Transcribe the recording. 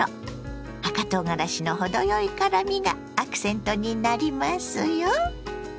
赤とうがらしの程よい辛みがアクセントになりますよ。